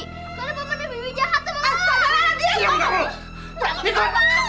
karena paman dan bibi jahat sama lala